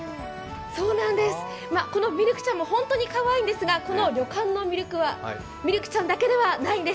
このミルクちゃんも本当にかわいいんですが、この旅館の魅力はミルクちゃんだけではないんです。